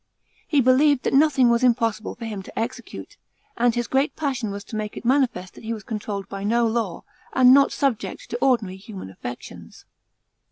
He believed that nothing was impossible for him to execute, and his great passion was to make it manifest that he was controlled by no law, and not subject to ordinary human affections.